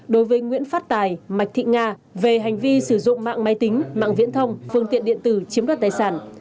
đối với nguyễn phát tài mạch thị nga về hành vi sử dụng mạng máy tính mạng viễn thông phương tiện điện tử chiếm đoạt tài sản